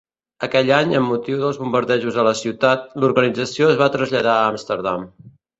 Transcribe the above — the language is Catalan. Aquell any, amb motiu dels bombardejos a la ciutat, l'organització es va traslladar a Amsterdam.